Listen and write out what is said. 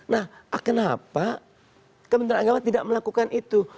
nah kenapa kementerian agama tidak melakukan itu